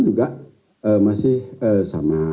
juga masih sama